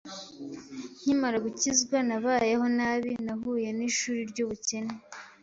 Nkimara gukizwa nabayeho nabi, nahuye n’ishuri ry’ubukene